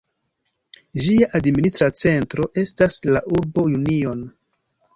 Ĝia administra centro estas la urbo Union.